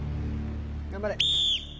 頑張れ！